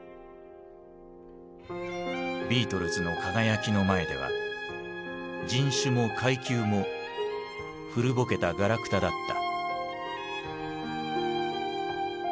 ビートルズの輝きの前では人種も階級も古ぼけたがらくただった。